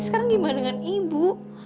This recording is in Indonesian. sekarang gimana dengan ibu